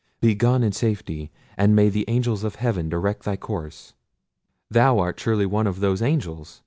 Be gone in safety; and may the angels of heaven direct thy course!" "Thou art surely one of those angels!"